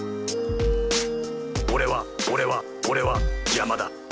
「俺は俺は俺は山田」